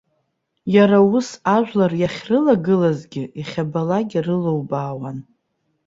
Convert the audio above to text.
Иара ус ажәлар иахьрылагылазгьы иахьабалак ирылубаауан.